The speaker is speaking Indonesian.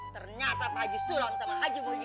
ternyata pak haji sulam sama haji bunyi